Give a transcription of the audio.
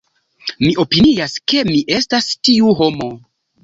Mi opinias ke mi estas tiu homo.